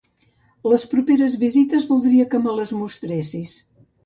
Les properes visites voldria que me les mostressis.